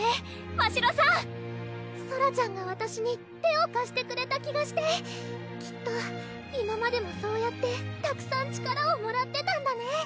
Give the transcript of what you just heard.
ましろさんソラちゃんがわたしに手をかしてくれた気がしてきっと今までもそうやってたくさん力をもらってたんだね